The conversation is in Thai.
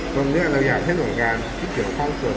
ตรงนั้นเราอยากให้หน่วยงานพี่เปียนคล่องเกลวก่อน